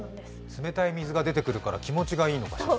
冷たい水が出てくるから気持ちがいいのかしら。